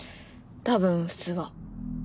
多分普通は。